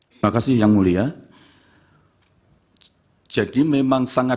terima kasih yang mulia jadi memang sangat